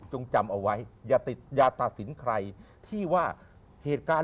จงจำเอาไว้อย่าตัดสินใครที่ว่า